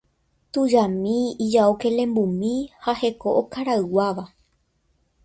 Tujami ijao kelembumi ha heko okarayguáva.